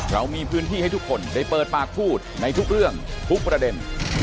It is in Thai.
เรามีพื้นที่ให้ทุกคนได้เปิดปากพูดในทุกเรื่องทุกประเด็น